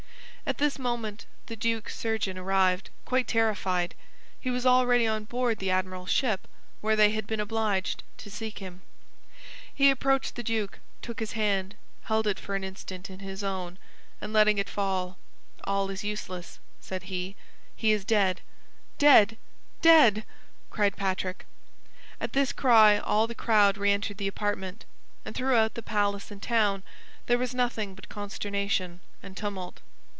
At this moment the duke's surgeon arrived, quite terrified; he was already on board the admiral's ship, where they had been obliged to seek him. He approached the duke, took his hand, held it for an instant in his own, and letting it fall, "All is useless," said he, "he is dead." "Dead, dead!" cried Patrick. At this cry all the crowd re entered the apartment, and throughout the palace and town there was nothing but consternation and tumult.